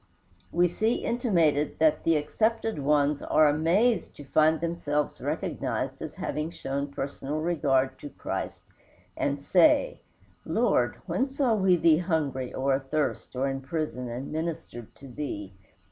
We see intimated that the accepted ones are amazed to find themselves recognized as having shown personal regard to Christ, and say, "Lord, when saw we thee hungry or athirst or in prison and ministered to thee?"